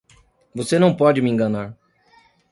Você não pode me enganar!